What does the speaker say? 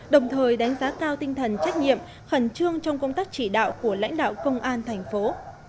đồng thời đánh giá cao tinh thần trách nhiệm khẩn trương trong công tác chỉ đạo của lãnh đạo công an thành phố